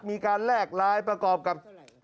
มีการแรกร้ายประกอบกับ